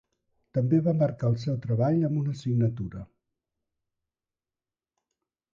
També va marcar el seu treball amb una signatura.